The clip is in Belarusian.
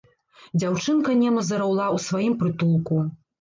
Дзяўчынка нема зараўла ў сваім прытулку.